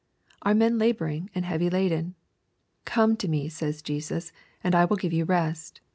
— ^Are men laboring and heavy laden ?'* Come unto me," says Jesus, " and I will give you rest."